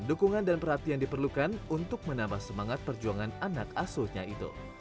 dukungan dan perhatian diperlukan untuk menambah semangat perjuangan anak asuhnya itu